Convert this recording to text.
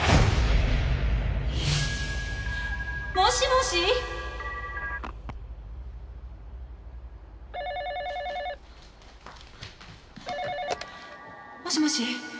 「」もしもし？もしもし？